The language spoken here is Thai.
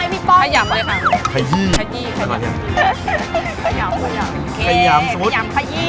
อันนี้ก็อีก๑ชั่วโมงเหมือนกันก่อนที่จะไปย่างใช่มั้ยค่ะ